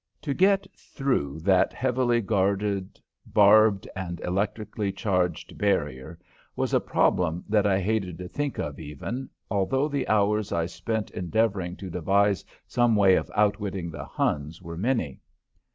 To get through that heavily guarded barbed and electrically charged barrier was a problem that I hated to think of, even, although the hours I spent endeavoring to devise some way of outwitting the Huns were many.